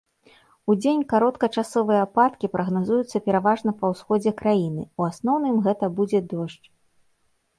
Удзень кароткачасовыя ападкі прагназуюцца пераважна па ўсходзе краіны, у асноўным гэту будзе дождж.